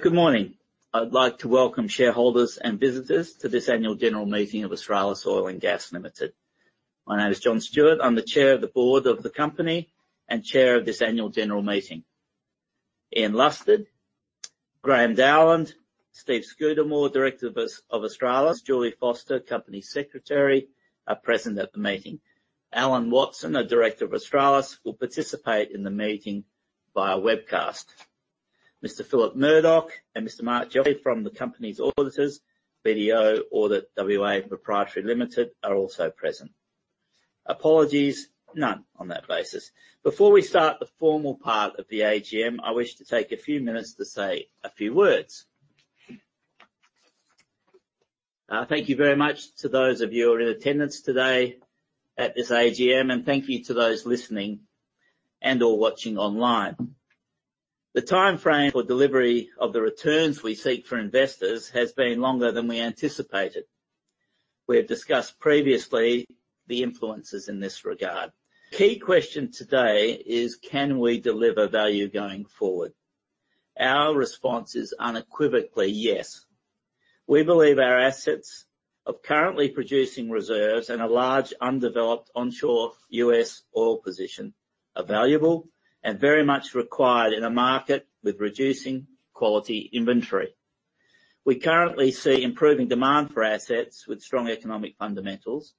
Good morning. I'd like to welcome shareholders and visitors to this annual general meeting of Australis Oil & Gas Limited. My name is Jonathan Stewart. I'm the chair of the board of the company and chair of this annual general meeting. Ian Lusted, Graham Dowland, Steve Scudamore, directors of Australis, Julie Foster, company secretary, are present at the meeting. Alan Watson, a director of Australis, will participate in the meeting via webcast. Mr. Philip Murdoch and Mr. Mark Joey from the company's auditors, BDO Audit (WA) Pty Ltd, are also present. Apologies, none on that basis. Before we start the formal part of the AGM, I wish to take a few minutes to say a few words. Thank you very much to those of you who are in attendance today at this AGM, and thank you to those listening and/or watching online. The timeframe for delivery of the returns we seek for investors has been longer than we anticipated. We have discussed previously the influences in this regard. Key question today is: Can we deliver value going forward? Our response is unequivocally yes. We believe our assets of currently producing reserves and a large undeveloped onshore U.S. oil position are valuable and very much required in a market with reducing quality inventory. We currently see improving demand for our assets with strong economic fundamentals,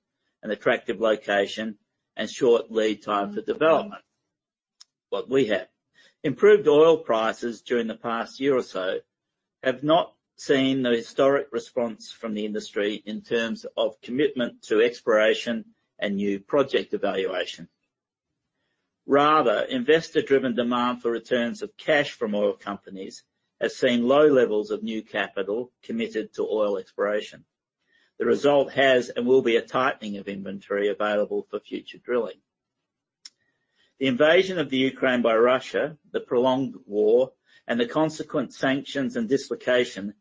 an attractive location, and short lead time for development. What we have. Improved oil prices during the past year or so have not seen the historic response from the industry in terms of commitment to exploration and new project evaluation. Rather, investor-driven demand for returns of cash from oil companies has seen low levels of new capital committed to oil exploration. The result has and will be a tightening of inventory available for future drilling. The invasion of the Ukraine by Russia, the prolonged war, and the consequent sanctions and dislocation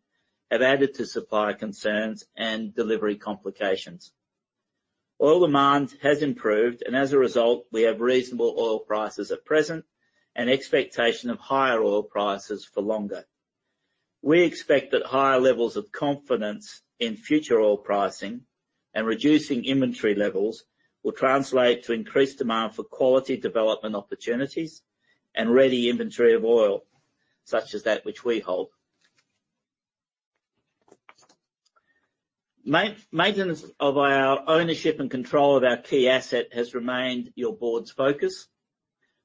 have added to supply concerns and delivery complications. Oil demand has improved, and as a result, we have reasonable oil prices at present and expectation of higher oil prices for longer. We expect that higher levels of confidence in future oil pricing and reducing inventory levels will translate to increased demand for quality development opportunities and ready inventory of oil, such as that which we hold. Maintenance of our ownership and control of our key asset has remained your board's focus,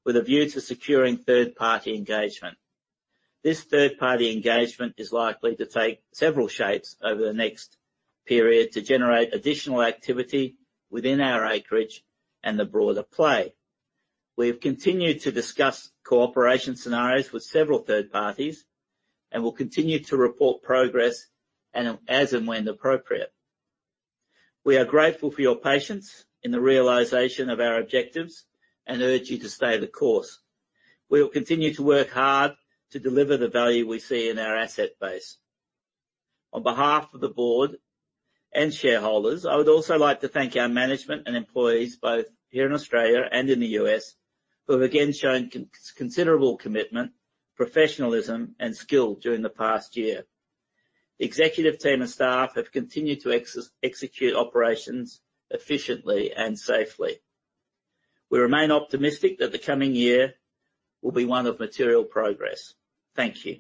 with a view to securing third-party engagement. This third-party engagement is likely to take several shapes over the next period to generate additional activity within our acreage and the broader play. We have continued to discuss cooperation scenarios with several third parties and will continue to report progress and, as and when appropriate. We are grateful for your patience in the realization of our objectives and urge you to stay the course. We will continue to work hard to deliver the value we see in our asset base. On behalf of the board and shareholders, I would also like to thank our management and employees, both here in Australia and in the U.S., who have again shown considerable commitment, professionalism and skill during the past year. The executive team and staff have continued to execute operations efficiently and safely. We remain optimistic that the coming year will be one of material progress. Thank you.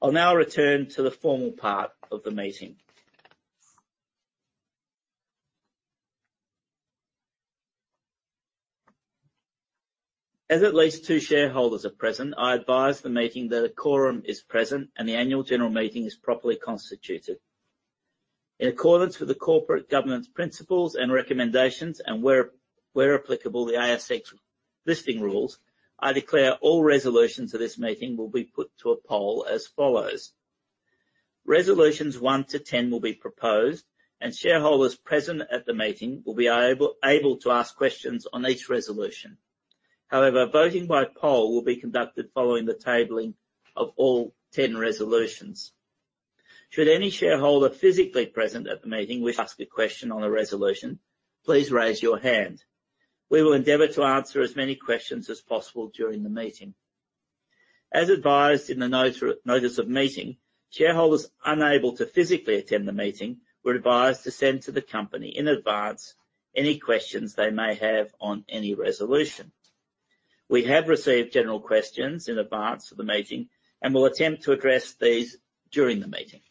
I'll now return to the formal part of the meeting. As at least two shareholders are present, I advise the meeting that a quorum is present and the annual general meeting is properly constituted. In accordance with the corporate governance principles and recommendations, and where applicable, the ASX listing rules, I declare all resolutions of this meeting will be put to a poll as follows. Resolutions 1 to 10 will be proposed, Shareholders present at the meeting will be able to ask questions on each resolution. However, voting by poll will be conducted following the tabling of all 10 resolutions. Should any shareholder physically present at the meeting wish to ask a question on a resolution, please raise your hand. We will endeavor to answer as many questions as possible during the meeting. As advised in the notice of meeting, shareholders unable to physically attend the meeting were advised to send to the company in advance any questions they may have on any resolution. We have received general questions in advance of the meeting and will attempt to address these during the meeting.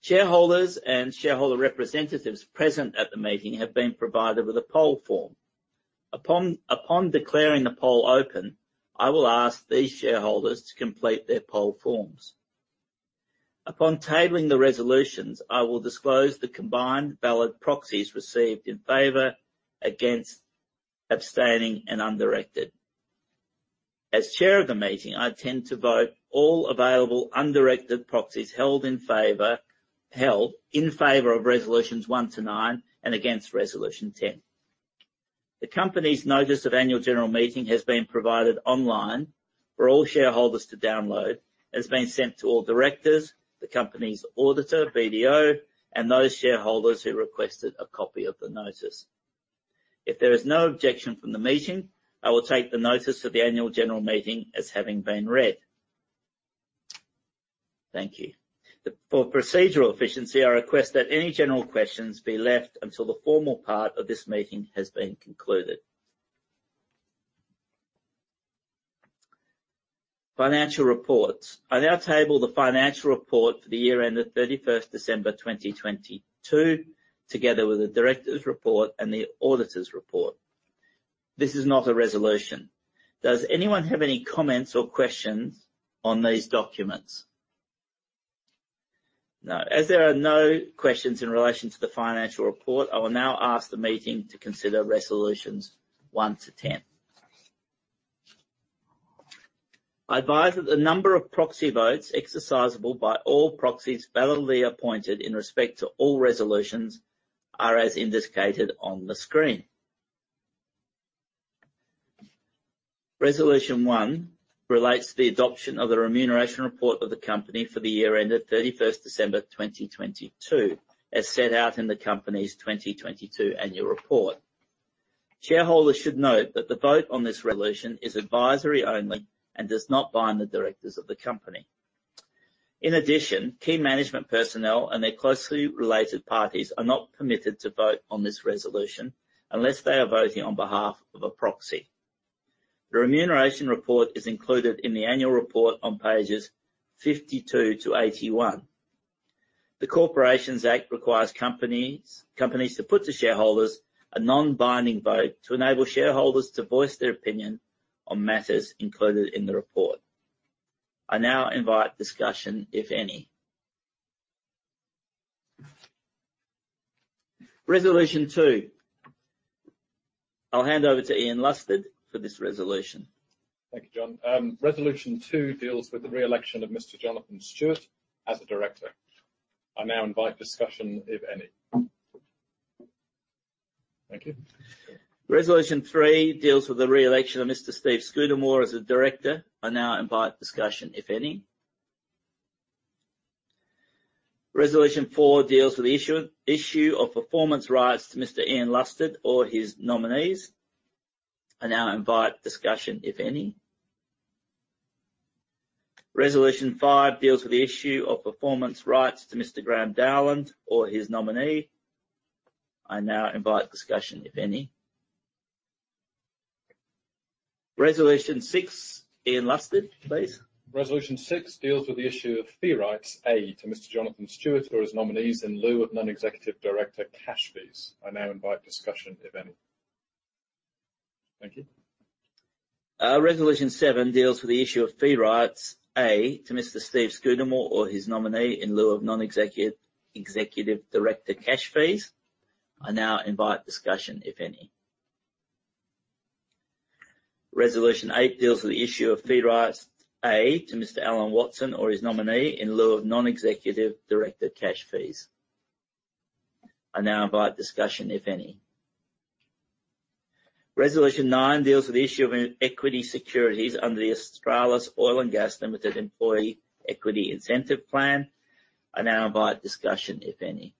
Shareholders and shareholder representatives present at the meeting have been provided with a poll form. Upon declaring the poll open, I will ask these shareholders to complete their poll forms. Upon tabling the resolutions, I will disclose the combined ballot proxies received in favor, against abstaining and undirected. As chair of the meeting, I intend to vote all available undirected proxies held in favor of resolutions 1 to 9, and against resolution 10. The company's notice of annual general meeting has been provided online for all shareholders to download, and has been sent to all directors, the company's auditor, BDO, and those shareholders who requested a copy of the notice. If there is no objection from the meeting, I will take the notice of the annual general meeting as having been read. Thank you. For procedural efficiency, I request that any general questions be left until the formal part of this meeting has been concluded. Financial reports. I now table the financial report for the year ended 31st December 2022, together with the directors' report and the auditors' report. This is not a resolution. Does anyone have any comments or questions on these documents? No. As there are no questions in relation to the financial report, I will now ask the meeting to consider resolutions 1 to 10. I advise that the number of proxy votes exercisable by all proxies validly appointed in respect to all resolutions are as indicated on the screen. Resolution 1 relates to the adoption of the remuneration report of the company for the year ended 31st December 2022, as set out in the company's 2022 annual report. Shareholders should note that the vote on this resolution is advisory only and does not bind the directors of the company. In addition, key management personnel and their closely related parties are not permitted to vote on this resolution unless they are voting on behalf of a proxy. The remuneration report is included in the annual report on pages 52 to 81. The Corporations Act requires companies to put to shareholders a non-binding vote to enable shareholders to voice their opinion on matters included in the report. I now invite discussion, if any. Resolution two. I'll hand over to Ian Lusted for this resolution. Thank you, Jon. Resolution two deals with the re-election of Mr. Jonathan Stewart as a director. I now invite discussion, if any. Thank you. Resolution three deals with the re-election of Mr. Steve Scudamore as a director. I now invite discussion, if any. Resolution four deals with the issue of performance rights to Mr. Ian Lusted or his nominees. I now invite discussion, if any. Resolution five deals with the issue of performance rights to Mr. Graham Dowland or his nominee. I now invite discussion, if any. Resolution six, Ian Lusted, please. Resolution six deals with the issue of fee rights A to Mr. Jonathan Stewart or his nominees in lieu of non-executive director cash fees. I now invite discussion, if any. Thank you. Resolution seven deals with the issue of fee rights A to Mr. Steve Scudamore or his nominee in lieu of non-executive director cash fees. I now invite discussion, if any. Resolution eight deals with the issue of fee rights A to Mr. Alan Watson or his nominee in lieu of non-executive director cash fees. I now invite discussion, if any. Resolution nine deals with the issue of an equity securities under the Australis Oil & Gas Limited Employee Equity Incentive Plan. I now invite discussion, if any.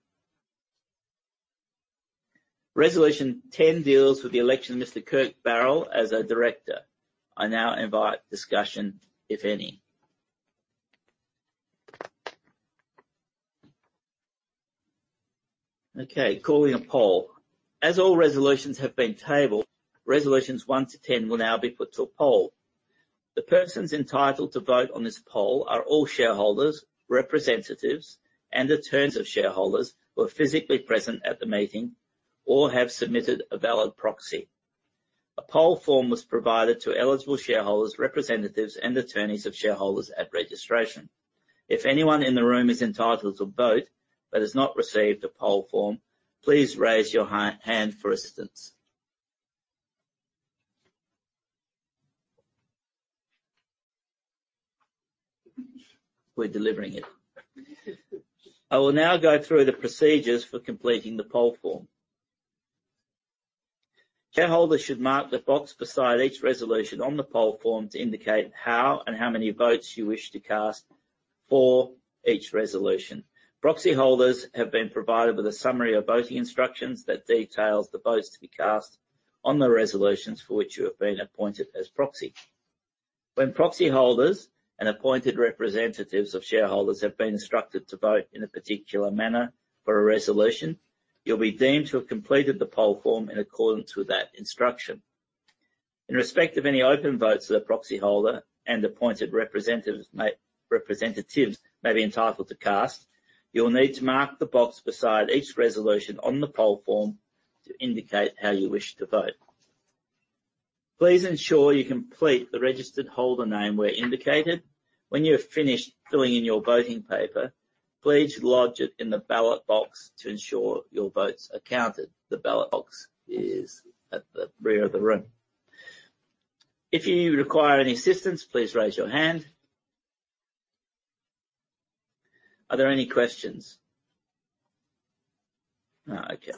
Resolution 10 deals with the election of Mr. Kirk Barrell as a director. I now invite discussion, if any. Okay, calling a poll. As all resolutions have been tabled, resolutions 1 to 10 will now be put to a poll. The persons entitled to vote on this poll are all shareholders, representatives, and attorneys of shareholders who are physically present at the meeting or have submitted a valid proxy. A poll form was provided to eligible shareholders, representatives, and attorneys of shareholders at registration. If anyone in the room is entitled to vote but has not received a poll form, please raise your hand for assistance. We're delivering it. I will now go through the procedures for completing the poll form. Shareholders should mark the box beside each resolution on the poll form to indicate how and how many votes you wish to cast for each resolution. Proxy holders have been provided with a summary of voting instructions that details the votes to be cast on the resolutions for which you have been appointed as proxy. When proxy holders and appointed representatives of shareholders have been instructed to vote in a particular manner for a resolution, you will be deemed to have completed the poll form in accordance with that instruction. In respect of any open votes that a proxy holder and appointed representatives may be entitled to cast, you will need to mark the box beside each resolution on the poll form to indicate how you wish to vote. Please ensure you complete the registered holder name where indicated. When you have finished filling in your voting paper, please lodge it in the ballot box to ensure your votes are counted. The ballot box is at the rear of the room. If you require any assistance, please raise your hand. Are there any questions? No. Okay.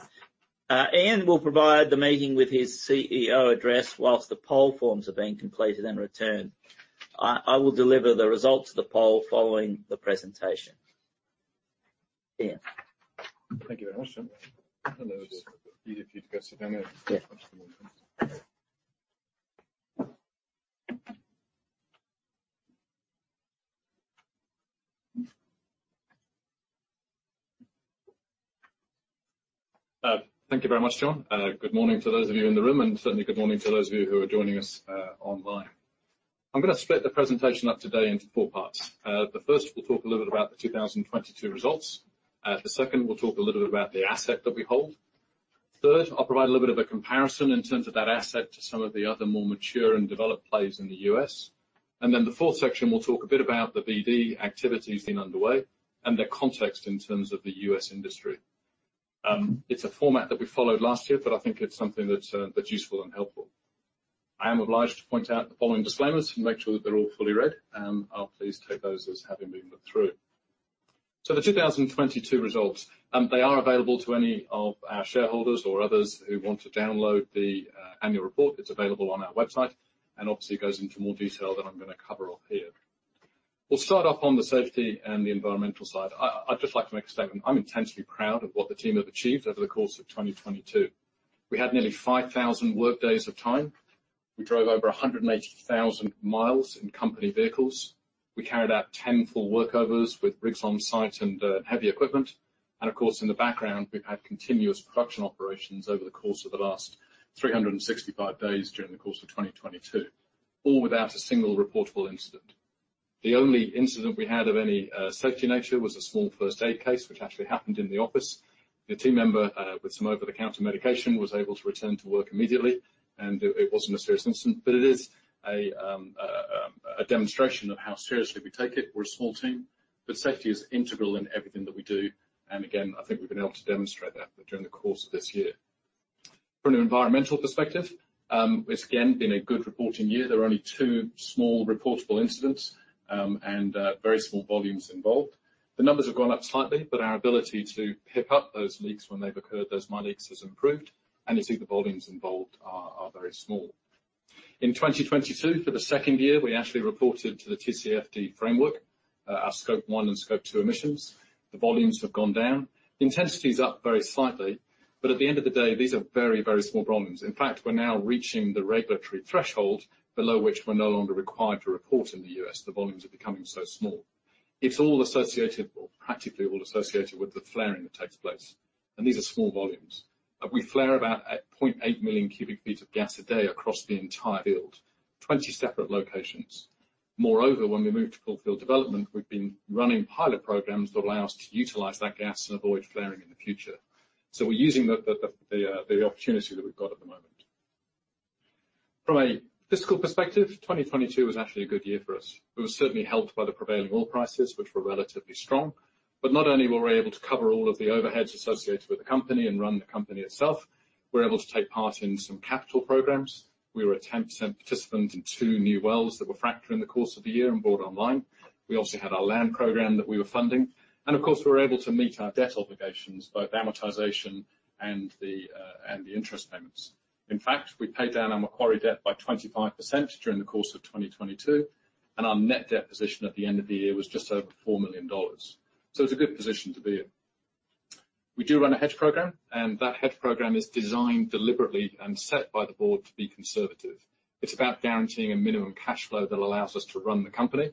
Ian will provide the meeting with his CEO address while the poll forms are being completed and returned. I will deliver the results of the poll following the presentation. Yeah. Thank you very much, Jon. It would be easier for you to go sit down. Yeah. Thank you very much, Jon. Good morning to those of you in the room, certainly good morning to those of you who are joining us online. I'm gonna split the presentation up today into four parts. The first, we'll talk a little bit about the 2022 results. The second, we'll talk a little bit about the asset that we hold. Third, I'll provide a little bit of a comparison in terms of that asset to some of the other more mature and developed players in the U.S. The fourth section, we'll talk a bit about the BD activities been underway and the context in terms of the U.S. industry. It's a format that we followed last year, I think it's something that's useful and helpful. I am obliged to point out the following disclaimers and make sure that they're all fully read. I'll please take those as having been looked through. The 2022 results, they are available to any of our shareholders or others who want to download the annual report. It's available on our website, obviously goes into more detail than I'm gonna cover up here. We'll start off on the safety and the environmental side. I'd just like to make a statement. I'm intensely proud of what the team have achieved over the course of 2022. We had nearly 5,000 workdays of time. We drove over 180,000 miles in company vehicles. We carried out 10 full workovers with rigs on site and heavy equipment. Of course, in the background, we've had continuous production operations over the course of the last 365 days during the course of 2022, all without a single reportable incident. The only incident we had of any safety nature was a small first aid case, which actually happened in the office. The team member with some over-the-counter medication was able to return to work immediately, and it wasn't a serious incident, but it is a demonstration of how seriously we take it. We're a small team, but safety is integral in everything that we do. Again, I think we've been able to demonstrate that during the course of this year. From an environmental perspective, it's again, been a good reporting year. There are only two small reportable incidents, and very small volumes involved. The numbers have gone up slightly. Our ability to pick up those leaks when they've occurred, those minor leaks, has improved. You see the volumes involved are very small. In 2022, for the second year, we actually reported to the TCFD framework, our Scope 1 and Scope 2 emissions. The volumes have gone down. Intensity is up very slightly, but at the end of the day, these are very, very small problems. In fact, we're now reaching the regulatory threshold below which we're no longer required to report in the U.S.. The volumes are becoming so small. It's all associated or practically all associated with the flaring that takes place. These are small volumes. We flare about at 0.8 million cubic feet of gas a day across the entire field. 20 separate locations. Moreover, when we move to full field development, we've been running pilot programs that allow us to utilize that gas and avoid flaring in the future. We're using the opportunity that we've got at the moment. From a fiscal perspective, 2022 was actually a good year for us. It was certainly helped by the prevailing oil prices, which were relatively strong. Not only were we able to cover all of the overheads associated with the company and run the company itself, we're able to take part in some capital programs. We were a 10% participant in two new wells that were fractured in the course of the year and board online. We also had our land program that we were funding. Of course, we were able to meet our debt obligations, both amortization and the interest payments. In fact, we paid down our Macquarie debt by 25% during the course of 2022, and our net debt position at the end of the year was just over $4 million. It's a good position to be in. We do run a hedge program, and that hedge program is designed deliberately and set by the board to be conservative. It's about guaranteeing a minimum cash flow that allows us to run the company.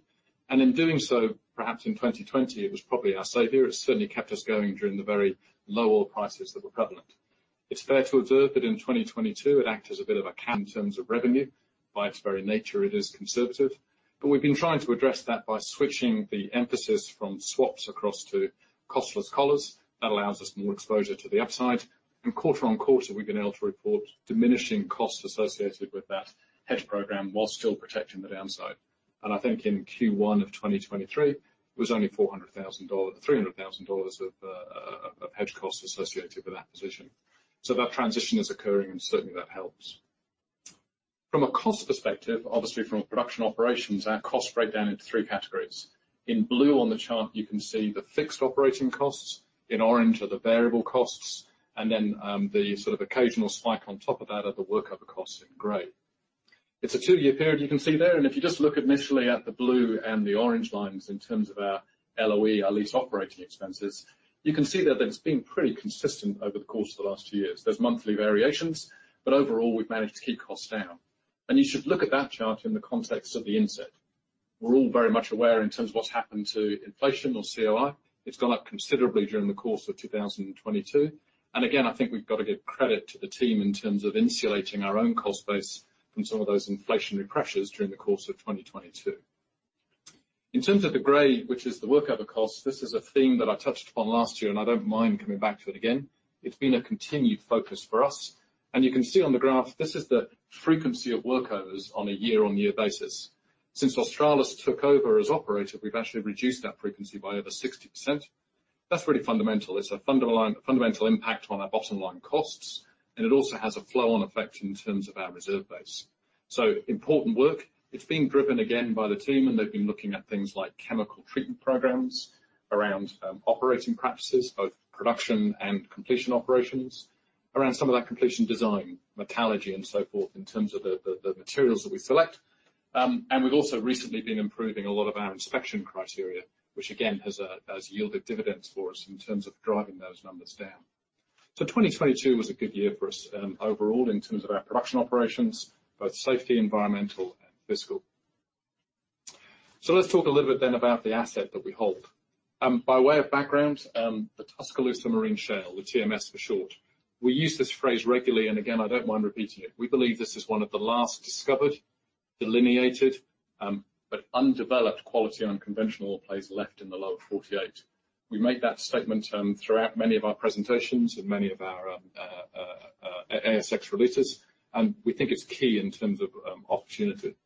In doing so, perhaps in 2020, it was probably our savior. It certainly kept us going during the very low oil prices that were prevalent. It's fair to observe that in 2022, it act as a bit of a cam in terms of revenue. By its very nature, it is conservative. We've been trying to address that by switching the emphasis from swaps across to costless collars. That allows us more exposure to the upside. Quarter-on-quarter, we've been able to report diminishing costs associated with that hedge program while still protecting the downside. I think in Q1 of 2023, it was only $300,000 of hedge costs associated with that position. That transition is occurring, and certainly that helps. From a cost perspective, obviously from a production operations, our costs break down into three categories. In blue on the chart, you can see the fixed operating costs. In orange are the variable costs. The sort of occasional spike on top of that are the workover costs in gray. It's a two-year period you can see there. If you just look initially at the blue and the orange lines in terms of our LOE, our lease operating expenses, you can see that it's been pretty consistent over the course of the last two years. There's monthly variations, but overall we've managed to keep costs down. You should look at that chart in the context of the inset. We're all very much aware in terms of what's happened to inflation or CPI. It's gone up considerably during the course of 2022. Again, I think we've got to give credit to the team in terms of insulating our own cost base from some of those inflationary pressures during the course of 2022. In terms of the gray, which is the workover cost, this is a theme that I touched upon last year, and I don't mind coming back to it again. It's been a continued focus for us. You can see on the graph, this is the frequency of workovers on a year-over-year basis. Since Australis took over as operator, we've actually reduced that frequency by over 60%. That's really fundamental. It's a fundamental impact on our bottom line costs, and it also has a flow on effect in terms of our reserve base. Important work. It's been driven again by the team, and they've been looking at things like chemical treatment programs around operating practices, both production and completion operations, around some of that completion design, metallurgy and so forth in terms of the materials that we select. We've also recently been improving a lot of our inspection criteria, which again has yielded dividends for us in terms of driving those numbers down. 2022 was a good year for us overall in terms of our production operations, both safety, environmental, and fiscal. Let's talk a little bit then about the asset that we hold. By way of background, the Tuscaloosa Marine Shale, the TMS for short. We use this phrase regularly, and again, I don't mind repeating it. We believe this is one of the last discovered, delineated, but undeveloped quality unconventional plays left in the lower 48. We make that statement throughout many of our presentations and many of our ASX releases, and we think it's key in terms of opportunity.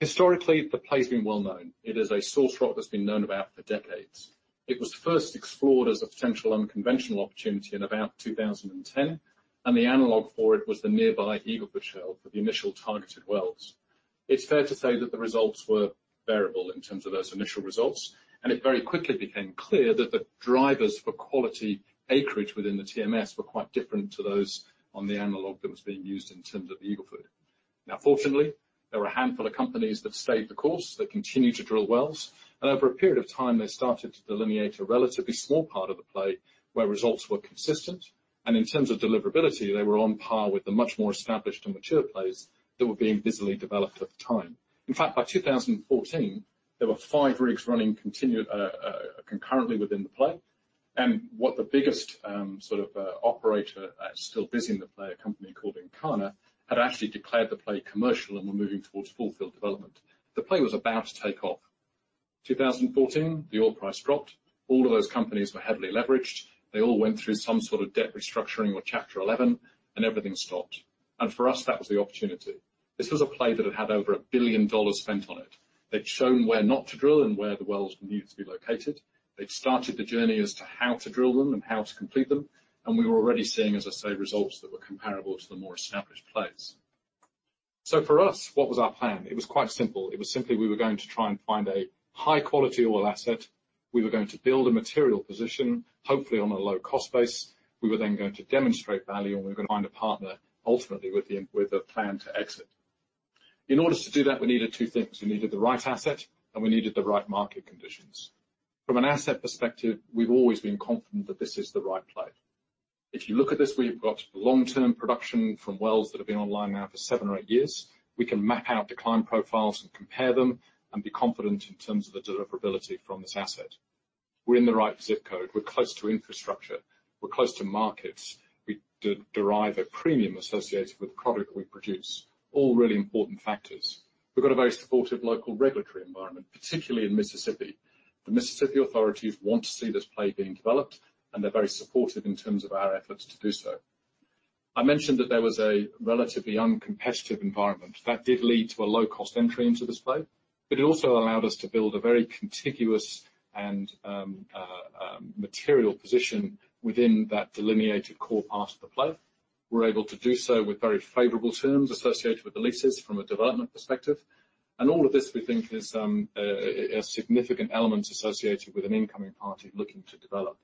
Historically, the play's been well known. It is a source rock that's been known about for decades. It was first explored as a potential unconventional opportunity in about 2010, and the analog for it was the nearby Eagle Ford Shale for the initial targeted wells. It's fair to say that the results were variable in terms of those initial results, and it very quickly became clear that the drivers for quality acreage within the TMS were quite different to those on the analog that was being used in terms of the Eagle Ford. Fortunately, there were a handful of companies that stayed the course, that continued to drill wells, and over a period of time, they started to delineate a relatively small part of the play where results were consistent, and in terms of deliverability, they were on par with the much more established and mature plays that were being busily developed at the time. In fact, by 2014, there were five rigs running concurrently within the play. What the biggest, sort of, operator, still busy in the play, a company called Encana, had actually declared the play commercial and were moving towards full field development. The play was about to take off. 2014, the oil price dropped. All of those companies were heavily leveraged. They all went through some sort of debt restructuring or Chapter 11, and everything stopped. For us, that was the opportunity. This was a play that had had over $1 billion spent on it. They'd shown where not to drill and where the wells needed to be located. They'd started the journey as to how to drill them and how to complete them, and we were already seeing, as I say, results that were comparable to the more established plays. For us, what was our plan? It was quite simple. It was simply we were going to try and find a high-quality oil asset. We were going to build a material position, hopefully on a low-cost base. We were then going to demonstrate value, and we were going to find a partner ultimately with a plan to exit. In order to do that, we needed 2 things. We needed the right asset, we needed the right market conditions. From an asset perspective, we've always been confident that this is the right play. If you look at this, we've got long-term production from wells that have been online now for seven or eight years. We can map out decline profiles and compare them and be confident in terms of the deliverability from this asset. We're in the right zip code. We're close to infrastructure. We're close to markets. We de-derive a premium associated with the product we produce. All really important factors. We've got a very supportive local regulatory environment, particularly in Mississippi. The Mississippi authorities want to see this play being developed, they're very supportive in terms of our efforts to do so. I mentioned that there was a relatively uncompetitive environment. That did lead to a low-cost entry into this play, but it also allowed us to build a very contiguous and material position within that delineated core part of the play. We're able to do so with very favorable terms associated with the leases from a development perspective. All of this we think is a significant element associated with an incoming party looking to develop.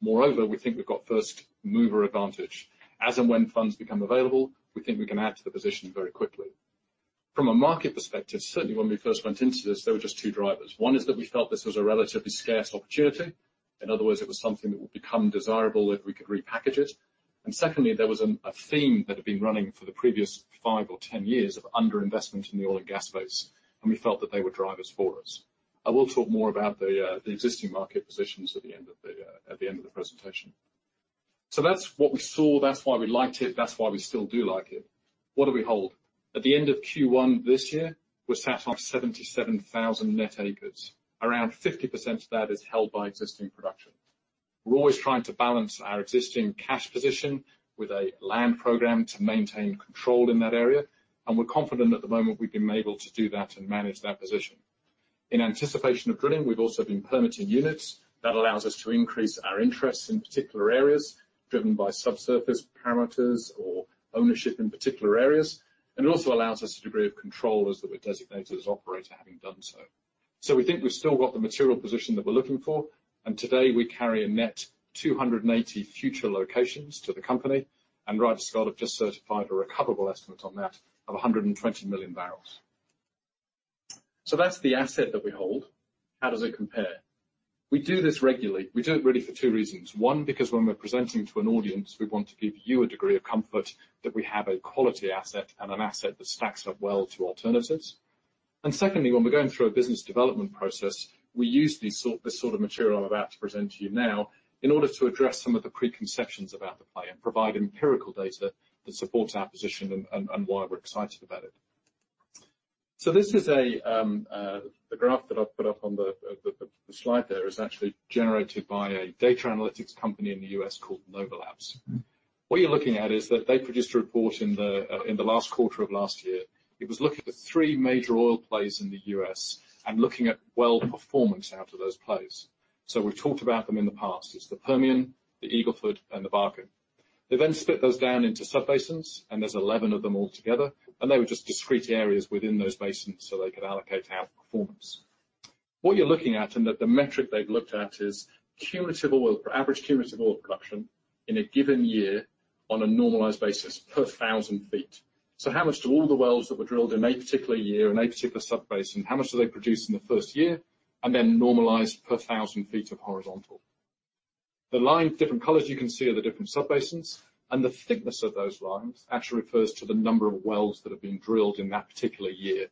Moreover, we think we've got first mover advantage. As and when funds become available, we think we can add to the position very quickly. From a market perspective, certainly when we first went into this, there were just two drivers. One is that we felt this was a relatively scarce opportunity. In other words, it was something that would become desirable if we could repackage it. Secondly, there was a theme that had been running for the previous 5 or 10 years of underinvestment in the oil and gas space, and we felt that they were drivers for us. I will talk more about the existing market positions at the end of the at the end of the presentation. That's what we saw. That's why we liked it. That's why we still do like it. What do we hold? At the end of Q1 this year, we sat on 77,000 net acres. Around 50% of that is held by existing production. We're always trying to balance our existing cash position with a land program to maintain control in that area, and we're confident at the moment we've been able to do that and manage that position. In anticipation of drilling, we've also been permitting units. That allows us to increase our interest in particular areas driven by subsurface parameters or ownership in particular areas. It also allows us a degree of control as that we're designated as operator having done so. We think we've still got the material position that we're looking for. Today, we carry a net 280 future locations to the company. Ryder Scott have just certified a recoverable estimate on that of 120 million barrels. That's the asset that we hold. How does it compare? We do this regularly. We do it really for two reasons. One, because when we're presenting to an audience, we want to give you a degree of comfort that we have a quality asset and an asset that stacks up well to alternatives. Secondly, when we're going through a business development process, we use this sort of material I'm about to present to you now in order to address some of the preconceptions about the play and provide empirical data that supports our position and why we're excited about it. This is a the graph that I've put up on the, the slide there is actually generated by a data analytics company in the U.S. called Novi Labs. What you're looking at is that they produced a report in the in the last quarter of last year. It was looking at the three major oil plays in the U.S. and looking at well performance out of those plays. We've talked about them in the past. It's the Permian, the Eagle Ford, and the Bakken. They then split those down into subbasins, and there's 11 of them all together. They were just discrete areas within those basins, so they could allocate out performance. What you're looking at, and that the metric they've looked at is cumulative oil average cumulative oil production in a given year on a normalized basis per 1,000 ft. How much do all the wells that were drilled in any particular year, in any particular sub-basin, how much do they produce in the first year, and then normalized per 1,000 feet of horizontal. The line, different colors you can see are the different sub-basins, and the thickness of those lines actually refers to the number of wells that have been drilled in that particular year.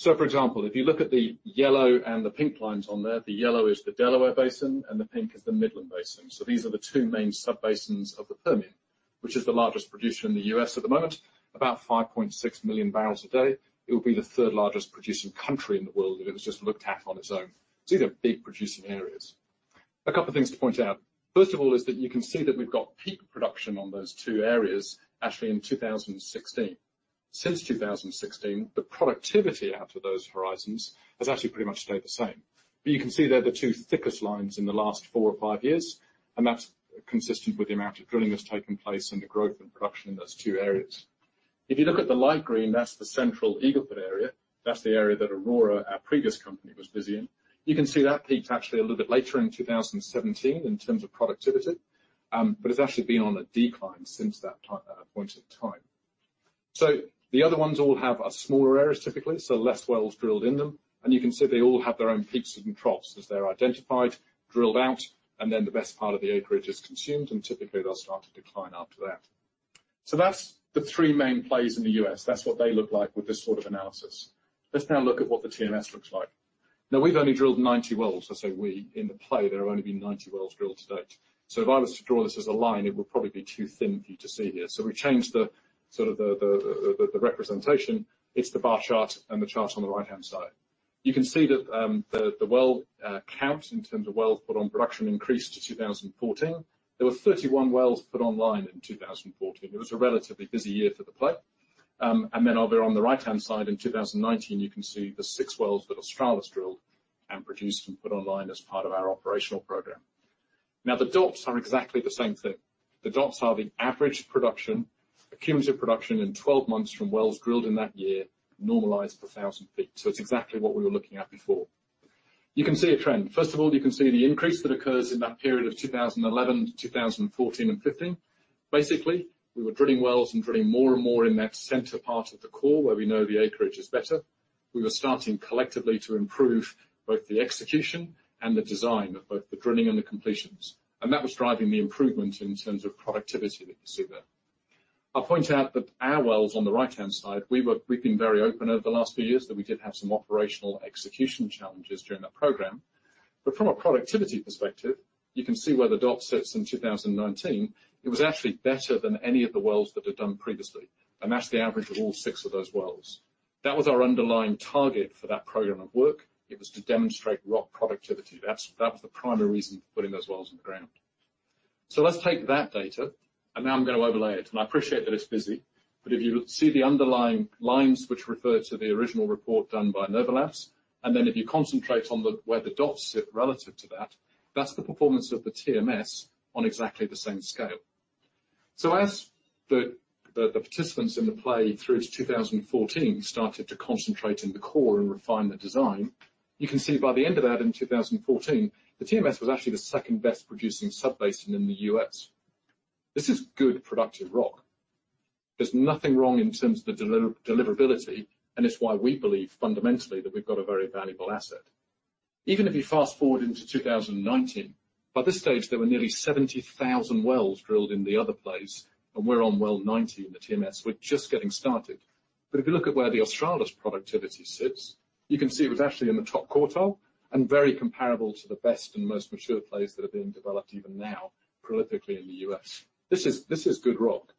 For example, if you look at the yellow and the pink lines on there, the yellow is the Delaware Basin, and the pink is the Midland Basin. These are the two main sub-basins of the Permian, which is the largest producer in the U.S. at the moment. About 5.6 million barrels a day. It would be the third largest producing country in the world if it was just looked at on its own. These are big producing areas. A couple things to point out. First of all, is that you can see that we've got peak production on those two areas actually in 2016. Since 2016, the productivity out of those horizons has actually pretty much stayed the same. You can see they're the two thickest lines in the last four or five years, and that's consistent with the amount of drilling that's taking place and the growth in production in those two areas. If you look at the light green, that's the Central Eagle Ford area. That's the area that Aurora, our previous company, was busy in. You can see that peaked actually a little bit later in 2017 in terms of productivity. It's actually been on a decline since that point in time. The other ones all have smaller areas typically, so less wells drilled in them, and you can see they all have their own peaks and troughs as they're identified, drilled out, and then the best part of the acreage is consumed, and typically they'll start to decline after that. That's the three main plays in the U.S.. That's what they look like with this sort of analysis. Let's now look at what the TMS looks like. Now we've only drilled 90 wells. I say we. In the play, there have only been 90 wells drilled to date. If I was to draw this as a line, it would probably be too thin for you to see here. We changed the, sort of the representation. It's the bar chart and the chart on the right-hand side. You can see that the well count in terms of wells put on production increased to 2014. There were 31 wells put online in 2014. It was a relatively busy year for the play. Over on the right-hand side in 2019, you can see the 6 wells that Australis drilled and produced and put online as part of our operational program. The dots are exactly the same thing. The dots are the average production, cumulative production in 12 months from wells drilled in that year, normalized per 1,000 ft. It's exactly what we were looking at before. You can see a trend. First of all, you can see the increase that occurs in that period of 2011 to 2014 and 2015. We were drilling wells and drilling more and more in that center part of the core where we know the acreage is better. We were starting collectively to improve both the execution and the design of both the drilling and the completions. That was driving the improvement in terms of productivity that you see there. I'll point out that our wells on the right-hand side, we've been very open over the last few years that we did have some operational execution challenges during that program. From a productivity perspective, you can see where the dot sits in 2019, it was actually better than any of the wells that were done previously. That's the average of all six of those wells. That was our underlying target for that program of work. It was to demonstrate rock productivity. That was the primary reason for putting those wells in the ground. Let's take that data, and now I'm gonna overlay it. I appreciate that it's busy, but if you see the underlying lines which refer to the original report done by Novi Labs, and then if you concentrate on where the dots sit relative to that's the performance of the TMS on exactly the same scale. As the participants in the play through to 2014 started to concentrate in the core and refine the design, you can see by the end of that in 2014, the TMS was actually the second-best producing sub-basin in the U.S. This is good productive rock. There's nothing wrong in terms of the deliverability, and it's why we believe fundamentally that we've got a very valuable asset. Even if you fast-forward into 2019, by this stage, there were nearly 70,000 wells drilled in the other plays and we're on well 90 in the TMS. We're just getting started. If you look at where the Australis productivity sits, you can see it was actually in the top quartile and very comparable to the best and most mature plays that are being developed even now prolifically in the U.S. This is good rock.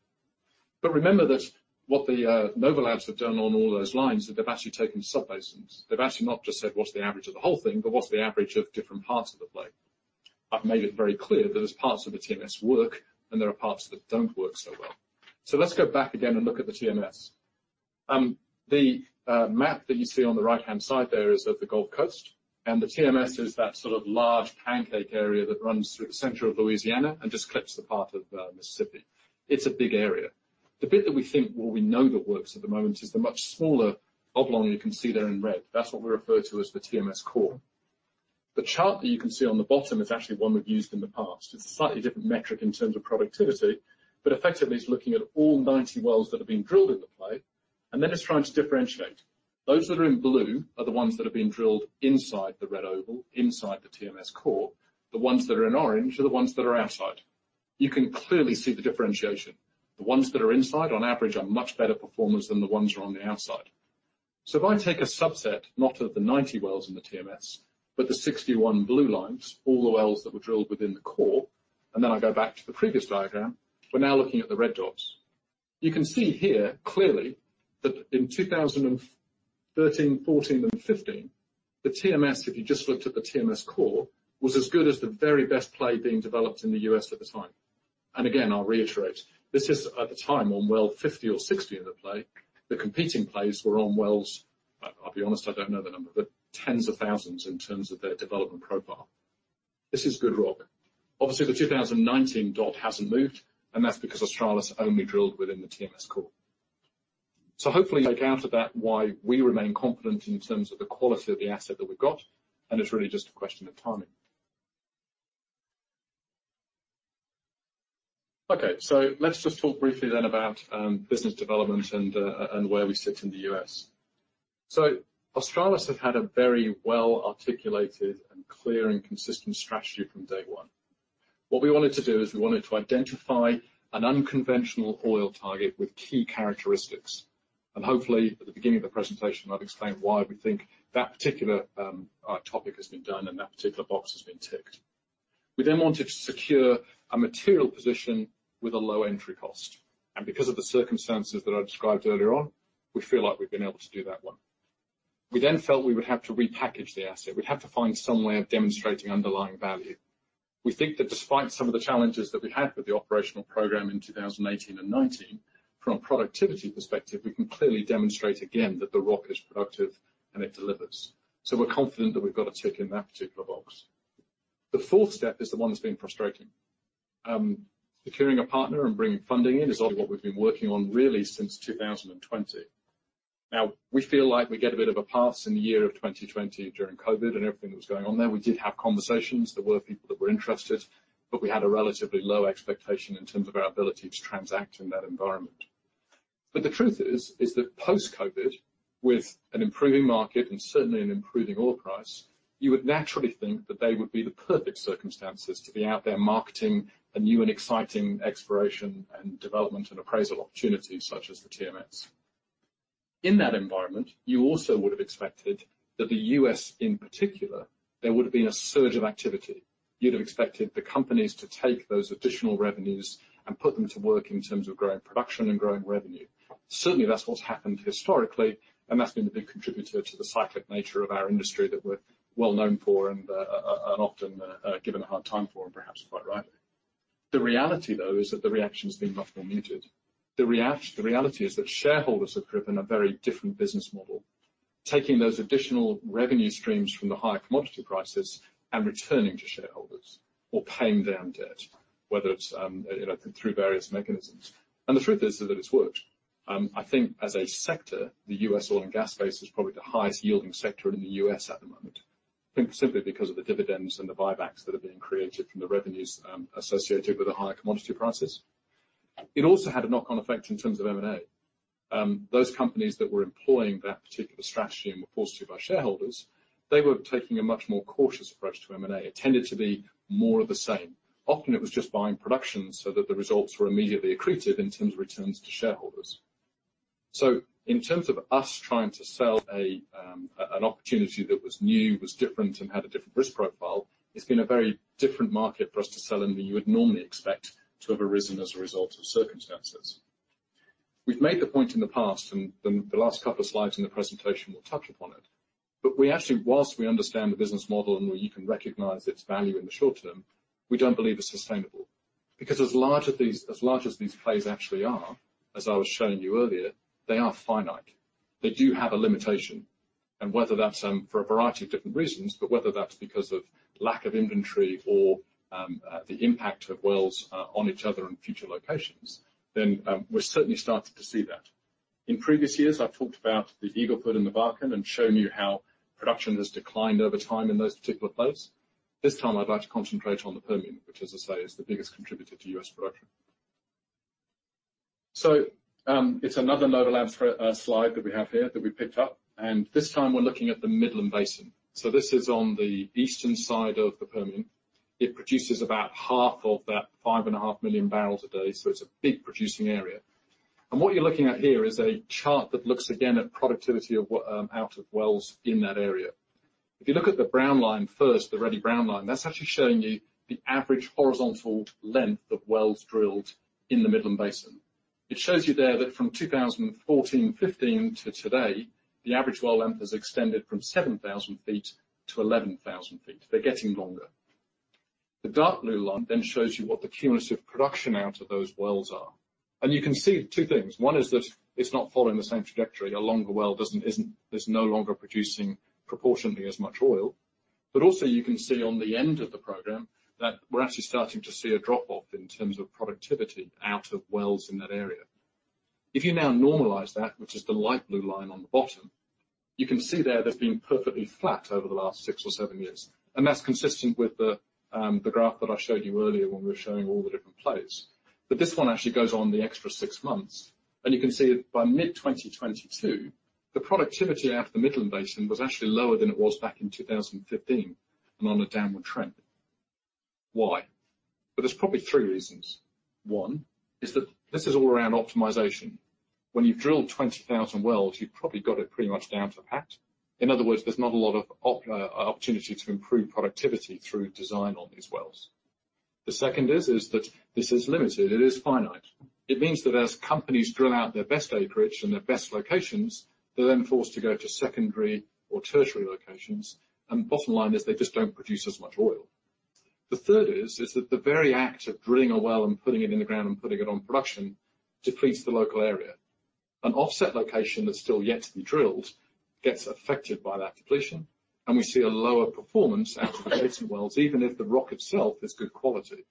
Remember that what the Novi Labs have done on all those lines, that they've actually taken sub-basins. They've actually not just said, "What's the average of the whole thing?" But, "What's the average of different parts of the play?" I've made it very clear that there's parts of the TMS work, and there are parts that don't work so well. Let's go back again and look at the TMS. The map that you see on the right-hand side there is of the Gulf Coast, and the TMS is that sort of large pancake area that runs through the center of Louisiana and just clips the part of Mississippi. It's a big area. The bit that we think or we know that works at the moment is the much smaller oblong you can see there in red. That's what we refer to as the TMS core. The chart that you can see on the bottom is actually one we've used in the past. It's a slightly different metric in terms of productivity, but effectively it's looking at all 90 wells that have been drilled in the play, and then it's trying to differentiate. Those that are in blue are the ones that have been drilled inside the red oval, inside the TMS core. The ones that are in orange are the ones that are outside. You can clearly see the differentiation. The ones that are inside, on average, are much better performers than the ones that are on the outside. If I take a subset, not of the 90 wells in the TMS, but the 61 blue lines, all the wells that were drilled within the core, and then I go back to the previous diagram, we're now looking at the red dots. You can see here clearly that in 2013, 2014, and 2015, the TMS, if you just looked at the TMS core, was as good as the very best play being developed in the U.S. at the time. Again, I'll reiterate, this is at the time on well 50 or 60 in the play. The competing plays were on wells. I'll be honest, I don't know the number, but tens of thousands in terms of their development profile. This is good rock. Obviously, the 2019 dot hasn't moved, and that's because Australis only drilled within the TMS core. Hopefully take out of that why we remain confident in terms of the quality of the asset that we've got, and it's really just a question of timing. Let's just talk briefly then about business development and where we sit in the U.S. Australis have had a very well articulated and clear and consistent strategy from day one. What we wanted to do is we wanted to identify an unconventional oil target with key characteristics. Hopefully, at the beginning of the presentation, I've explained why we think that particular topic has been done and that particular box has been ticked. We wanted to secure a material position with a low entry cost. Because of the circumstances that I described earlier on, we feel like we've been able to do that one. We felt we would have to repackage the asset. We'd have to find some way of demonstrating underlying value. We think that despite some of the challenges that we had with the operational program in 2018 and 2019, from a productivity perspective, we can clearly demonstrate again that the rock is productive and it delivers. We're confident that we've got a tick in that particular box. The fourth step is the one that's been frustrating. Securing a partner and bringing funding in is obviously what we've been working on really since 2020. We feel like we get a bit of a pass in the year of 2020 during COVID and everything that was going on there. We did have conversations. There were people that were interested, but we had a relatively low expectation in terms of our ability to transact in that environment. The truth is that post-COVID, with an improving market and certainly an improving oil price, you would naturally think that they would be the perfect circumstances to be out there marketing a new and exciting exploration and development and appraisal opportunities such as the TMS. In that environment, you also would have expected that the U.S., in particular, there would have been a surge of activity. You'd have expected the companies to take those additional revenues and put them to work in terms of growing production and growing revenue. Certainly, that's what's happened historically, and that's been a big contributor to the cyclic nature of our industry that we're well-known for and often given a hard time for, and perhaps quite rightly. The reality, though, is that the reaction's been much more muted. The reality is that shareholders have driven a very different business model. Taking those additional revenue streams from the higher commodity prices and returning to shareholders or paying down debt, whether it's, you know, through various mechanisms. The truth is that it's worked. I think as a sector, the U.S. oil and gas space is probably the highest-yielding sector in the U.S. at the moment. I think simply because of the dividends and the buybacks that are being created from the revenues, associated with the higher commodity prices. It also had a knock-on effect in terms of M&A. Those companies that were employing that particular strategy and were forced to by shareholders, they were taking a much more cautious approach to M&A. It tended to be more of the same. Often it was just buying production so that the results were immediately accretive in terms of returns to shareholders. In terms of us trying to sell a, an opportunity that was new, was different, and had a different risk profile, it's been a very different market for us to sell in than you would normally expect to have arisen as a result of circumstances. We've made the point in the past, and the last couple of slides in the presentation will touch upon it, but we actually, whilst we understand the business model and we can recognize its value in the short term, we don't believe it's sustainable. Because as large as these plays actually are, as I was showing you earlier, they are finite. They do have a limitation. Whether that's for a variety of different reasons, but whether that's because of lack of inventory or the impact of wells on each other in future locations, then we're certainly starting to see that. In previous years, I've talked about the Eagle Ford and the Bakken and shown you how production has declined over time in those particular plays. This time, I'd like to concentrate on the Permian, which as I say, is the biggest contributor to U.S. production. It's another Novi Labs slide that we have here that we picked up, and this time we're looking at the Midland Basin. This is on the eastern side of the Permian. It produces about half of that 5.5 million barrels a day, so it's a big producing area. What you're looking at here is a chart that looks again at productivity out of wells in that area. You look at the brown line first, the reddy-brown line, that's actually showing you the average horizontal length of wells drilled in the Midland Basin. It shows you there that from 2014, 15 to today, the average well length has extended from 7,000 ft to 11,000 ft. They're getting longer. The dark blue line shows you what the cumulative production out of those wells are. You can see two things. One is that it's not following the same trajectory. A longer well is no longer producing proportionately as much oil. Also, you can see on the end of the program that we're actually starting to see a drop-off in terms of productivity out of wells in that area. If you now normalize that, which is the light blue line on the bottom, you can see there that's been perfectly flat over the last six or seven years. That's consistent with the graph that I showed you earlier when we were showing all the different plays. This one actually goes on the extra six months. You can see by mid-2022, the productivity out of the Midland Basin was actually lower than it was back in 2015 and on a downward trend. Why? Well, there's probably three reasons. One is that this is all around optimization. When you've drilled 20,000 wells, you've probably got it pretty much down to a pat. In other words, there's not a lot of opportunity to improve productivity through design on these wells. The second is that this is limited. It is finite. It means that as companies drill out their best acreage and their best locations, they're then forced to go to secondary or tertiary locations. Bottom line is they just don't produce as much oil. The third is that the very act of drilling a well and putting it in the ground and putting it on production depletes the local area. An offset location that's still yet to be drilled gets affected by that depletion, and we see a lower performance out of the adjacent wells, even if the rock itself is good quality.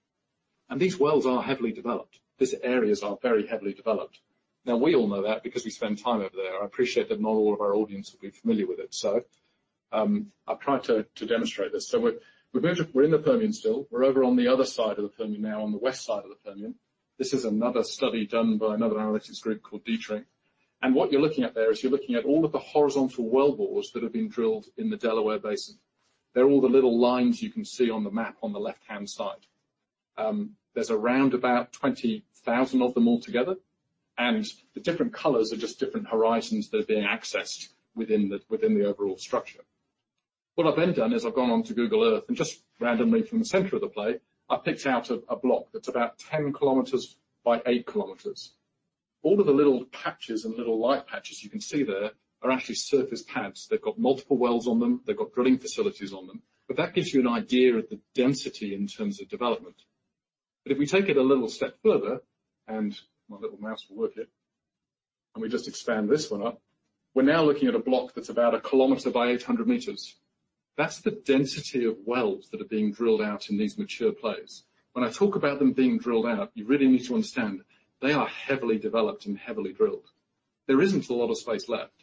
These wells are heavily developed. These areas are very heavily developed. Now, we all know that because we spend time over there. I appreciate that not all of our audience will be familiar with it. I'll try to demonstrate this. We're in the Permian still. We're over on the other side of the Permian now, on the west side of the Permian. This is another study done by another analytics group called Dietrich. What you're looking at there is you're looking at all of the horizontal wellbores that have been drilled in the Delaware Basin. They're all the little lines you can see on the map on the left-hand side. There's around about 20,000 of them all together, and the different colors are just different horizons that are being accessed within the, within the overall structure. What I've then done is I've gone on to Google Earth, and just randomly from the center of the play, I picked out a block that's about 10 kilometers by 8 kilometers. All of the little patches and little light patches you can see there are actually surface pads. They've got multiple wells on them. They've got drilling facilities on them. That gives you an idea of the density in terms of development. If we take it a little step further, and my little mouse will work here, and we just expand this one up. We're now looking at a block that's about a 1 km by 800 m. That's the density of wells that are being drilled out in these mature plays. When I talk about them being drilled out, you really need to understand they are heavily developed and heavily drilled. There isn't a lot of space left.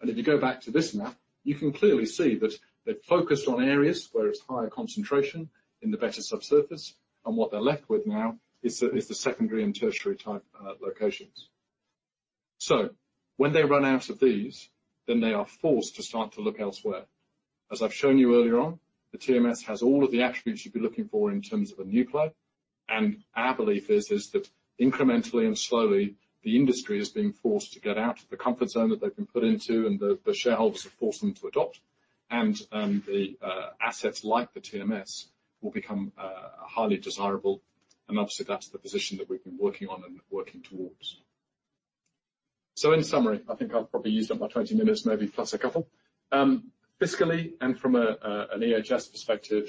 If you go back to this map, you can clearly see that they've focused on areas where it's higher concentration in the better subsurface, and what they're left with now is the, is the secondary and tertiary type locations. When they run out of these, then they are forced to start to look elsewhere. As I've shown you earlier on, the TMS has all of the attributes you'd be looking for in terms of a new play. Our belief is that incrementally and slowly, the industry is being forced to get out of the comfort zone that they've been put into and the shareholders have forced them to adopt. The assets like the TMS will become highly desirable. Obviously, that's the position that we've been working on and working towards. In summary, I think I've probably used up my 20 minutes, maybe plus a couple. Fiscally and from an EHS perspective,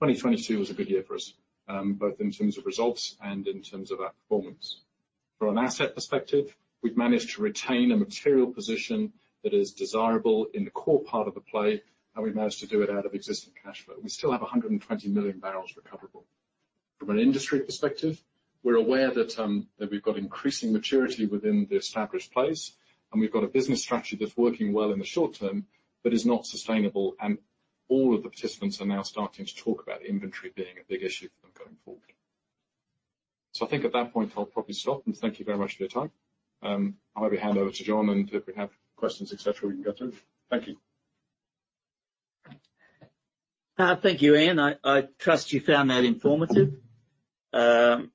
2022 was a good year for us, both in terms of results and in terms of our performance. From an asset perspective, we've managed to retain a material position that is desirable in the core part of the play, and we managed to do it out of existing cash flow. We still have 120 million barrels recoverable. From an industry perspective, we're aware that we've got increasing maturity within the established plays, and we've got a business structure that's working well in the short term but is not sustainable. All of the participants are now starting to talk about inventory being a big issue for them going forward. I think at that point, I'll probably stop and thank you very much for your time. I'll hand over to Jon, and if we have questions, et cetera, we can go through. Thank you. Thank you, Ian. I trust you found that informative. Are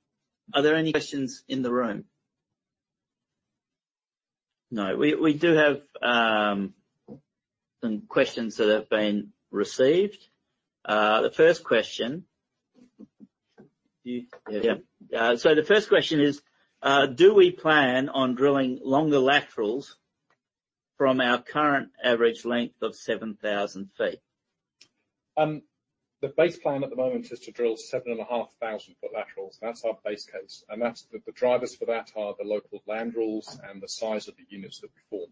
there any questions in the room? No. We do have some questions that have been received. The first question. You? Yeah. Yeah. The first question is, do we plan on drilling longer laterals from our current average length of 7,000 ft? The base plan at the moment is to drill 7,500 foot laterals. That's our base case. The drivers for that are the local land rules and the size of the units that we form.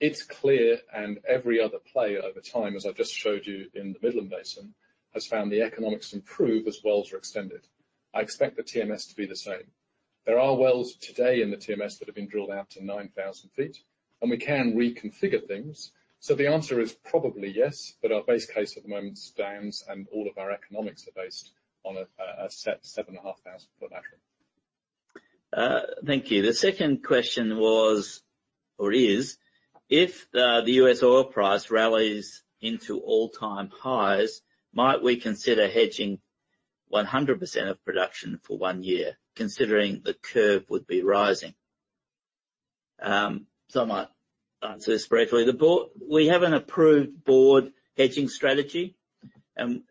It's clear, and every other player over time, as I just showed you in the Midland Basin, has found the economics improve as wells are extended. I expect the TMS to be the same. There are wells today in the TMS that have been drilled out to 9,000 feet, and we can reconfigure things. The answer is probably yes, but our base case at the moment stands, and all of our economics are based on a set 7,500 foot lateral. Thank you. The second question was, or is: If the U.S. oil price rallies into all-time highs, might we consider hedging 100% of production for 1 year considering the curve would be rising? I might answer this briefly. The board. We have an approved board hedging strategy.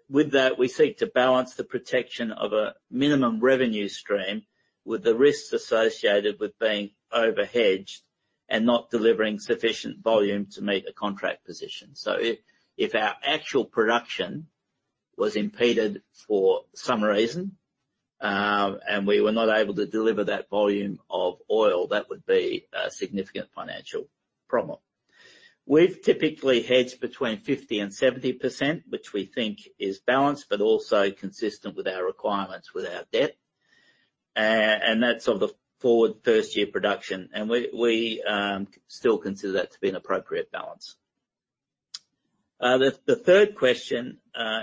With that, we seek to balance the protection of a minimum revenue stream with the risks associated with being over-hedged and not delivering sufficient volume to meet a contract position. If our actual production was impeded for some reason, and we were not able to deliver that volume of oil, that would be a significant financial problem. We've typically hedged between 50% and 70%, which we think is balanced, but also consistent with our requirements with our debt. That's of the forward first-year production, we still consider that to be an appropriate balance. The third question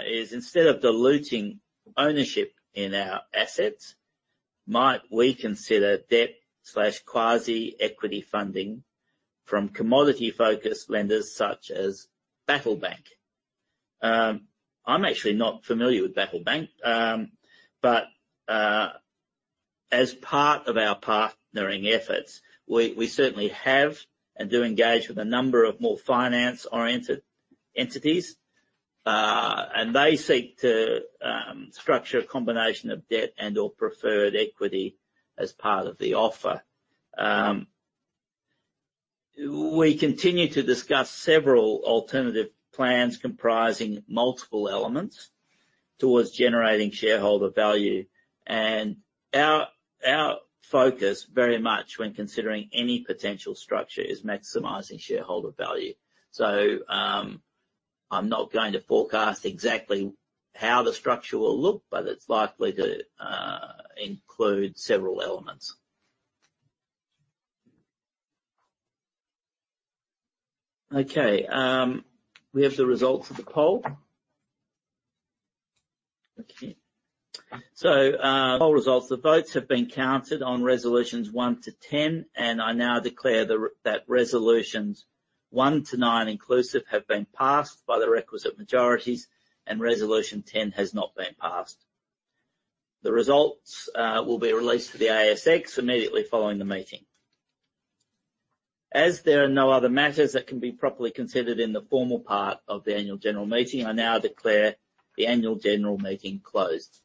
is instead of diluting ownership in our assets, might we consider debt/quasi-equity funding from commodity-focused lenders such as Battle Bank? I'm actually not familiar with Battle Bank. As part of our partnering efforts, we certainly have and do engage with a number of more finance-oriented entities. They seek to structure a combination of debt and/or preferred equity as part of the offer. We continue to discuss several alternative plans comprising multiple elements towards generating shareholder value. Our focus very much when considering any potential structure is maximizing shareholder value. I'm not going to forecast exactly how the structure will look, but it's likely to include several elements. Okay. We have the results of the poll. Okay. Poll results. The votes have been counted on resolutions 1 to 10, and I now declare that resolutions 1 to 9 inclusive have been passed by the requisite majorities, and resolution 10 has not been passed. The results will be released to the ASX immediately following the meeting. There are no other matters that can be properly considered in the formal part of the annual general meeting, I now declare the annual general meeting closed.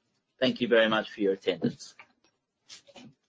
Thank you very much for your attendance.